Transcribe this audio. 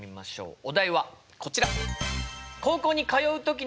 お題はこちら！